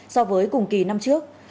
so với cùng kỳ năm trước